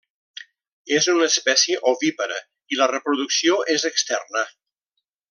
És una espècie ovípara i la reproducció és externa.